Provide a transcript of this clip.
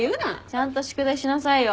ちゃんと宿題しなさいよ。